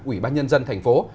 ủy ban nhân dân thành phố